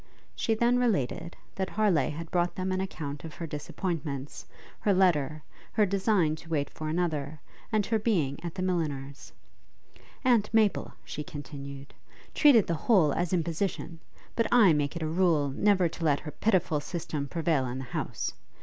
She then related, that Harleigh had brought them an account of her disappointments, her letter, her design to wait for another, and her being at the milliner's. 'Aunt Maple,' she continued, 'treated the whole as imposition; but I make it a rule never to let her pitiful system prevail in the house.